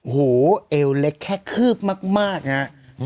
โหเอวเล็กแค่คืบมากนะครับ